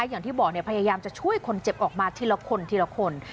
อย่างที่บอกพยายามจะช่วยคนเจ็บออกมาทีละคนทีละคน